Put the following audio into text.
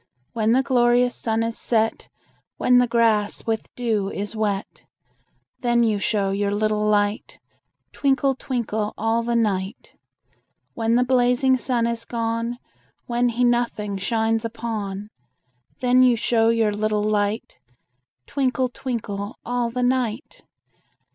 When the glorious sun is set, When the grass with dew is wet, Then you show your little light, Twinkle, twinkle, all the night. When the blazing sun is gone, When he nothing shines upon, Then you show your little light, Twinkle, twinkle, all the night.